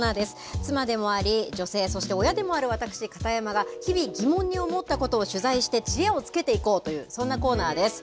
妻でもあり、女性、そして親でもある私、片山が日々、疑問に思ったことを取材して、知恵をつけていこうという、そんなコーナーです。